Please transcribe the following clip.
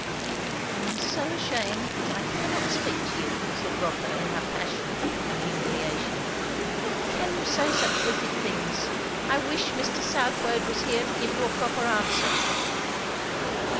"I am so ashamed that I cannot speak to you," said Rotha in her passion and humiliation. "How can you say such wicked things! I wish Mr. Southwode was here to give you a proper answer."